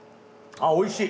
あっおいしい。